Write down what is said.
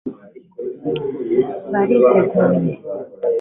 bariteguye